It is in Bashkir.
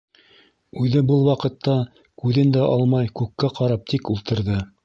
Үҙе был ваҡытта күҙен дә алмай күккә ҡарап тик ултырҙы.